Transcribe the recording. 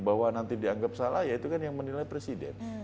bahwa nanti dianggap salah ya itu kan yang menilai presiden